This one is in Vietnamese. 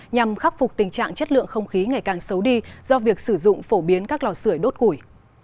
nhằm khắc phục tình trạng chất lượng không khí ngày càng xấu đi do việc sử dụng phổ biến các lò sửa đốt củi